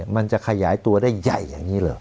มันจะขยายตัวได้ใหญ่อย่างนี้เหรอ